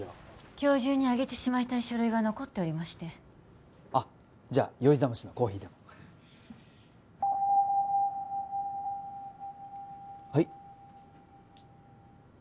今日中にあげてしまいたい書類が残っておりましてあっじゃあ酔いざましのコーヒーでもはい？